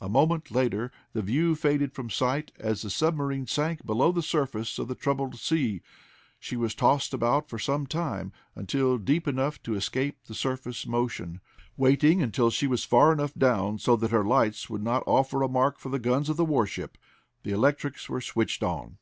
A moment later the view faded from sight as the submarine sank below the surface of the troubled sea. She was tossed about for some time until deep enough to escape the surface motion. Waiting until she was far enough down so that her lights would not offer a mark for the guns of the warship, the electrics were switched on.